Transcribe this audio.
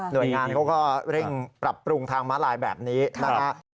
โดยงานเขาก็เร่งปรับปรุงทางม้าลายแบบนี้นะฮะ